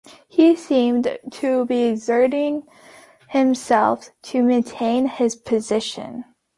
He seemed to be exerting himself to maintain his position.